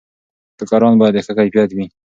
ټوکران باید د ښه کیفیت وي.